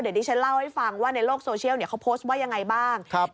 เดี๋ยวดิฉันเล่าให้ฟังว่าในโลกโซเชียลเขาโพสต์ว่ายังไงบ้าง